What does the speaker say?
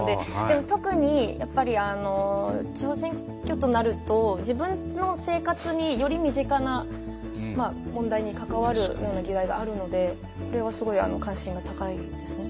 特にやっぱり地方選挙となると自分の生活により身近な問題にかかわるような議題があるのでこれはすごい関心が高いですね。